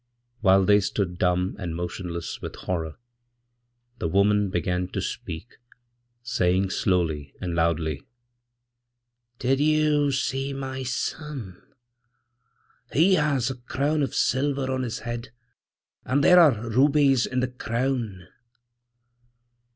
While they stood dumb and motionlesswith horror, the woman began to speak, saying slowly and loudly: 'Didyou see my son? He has a crown of silver on his head, and there arerubies in the crown.'